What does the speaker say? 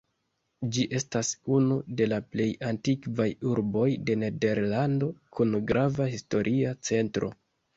Ĝi estas unu de la plej antikvaj urboj de Nederlando kun grava historia centro.